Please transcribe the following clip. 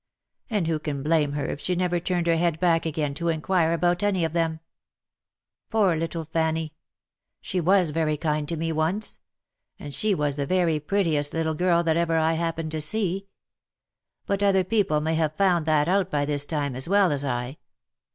And who can blame her if she never turned her head back again to inquire about any of them ? Poor little Fanny ! She was very kind to me once — and she was the very prettiest little girl that ever I happened to see. But other people may have found that out by this time, as well as I.